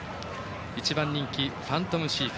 １番人気ファントムシーフ。